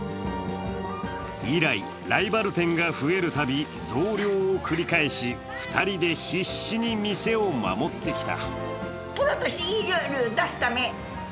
以来ライバル店が増えるたび増量を繰り返し、２人で必死に店を守ってきた。